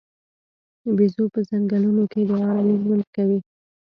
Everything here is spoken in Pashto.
بیزو په ځنګلونو کې د آرام ژوند کوي.